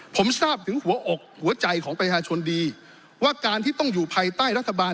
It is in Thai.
ผมทราบถึงหัวอกหัวใจของประชาชนดีว่าการที่ต้องอยู่ภายใต้รัฐบาล